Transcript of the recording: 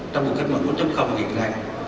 trong cuộc cách mạng bốn hiện nay là vô cùng quan trọng